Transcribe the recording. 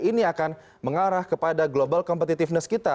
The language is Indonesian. ini akan mengarah kepada global competitiveness kita